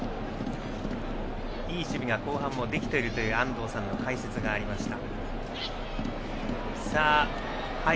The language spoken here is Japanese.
いい守備が後半もできているという安藤さんの解説がありました。